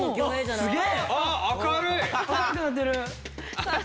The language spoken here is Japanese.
すげえ！